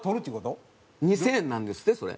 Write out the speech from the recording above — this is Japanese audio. ２０００円なんですってそれ。